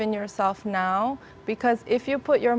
anda akan mencapai tujuan yang besar